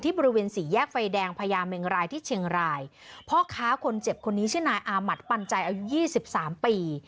บริเวณสี่แยกไฟแดงพญาเมงรายที่เชียงรายพ่อค้าคนเจ็บคนนี้ชื่อนายอามัติปันใจอายุยี่สิบสามปี